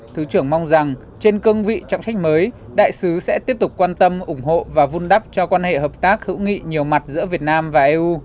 thứ trưởng mong rằng trên cương vị trọng trách mới đại sứ sẽ tiếp tục quan tâm ủng hộ và vun đắp cho quan hệ hợp tác hữu nghị nhiều mặt giữa việt nam và eu